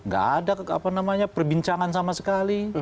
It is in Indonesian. gak ada perbincangan sama sekali